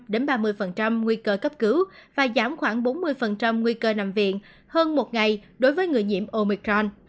đến ba mươi nguy cơ cấp cứu và giảm khoảng bốn mươi nguy cơ nằm viện hơn một ngày đối với người nhiễm omicron